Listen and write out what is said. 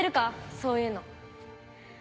そういうの。